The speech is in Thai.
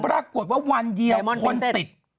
ปรากฏว่าวันเยียมคนติด